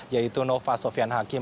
yaitu nova sofian hakim